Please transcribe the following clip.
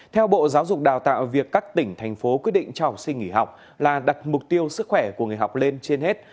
theo bộ giáo dục đào tạo việc các tỉnh thành phố quyết định cho học sinh nghỉ học là đặt mục tiêu sức khỏe của người học lên trên hết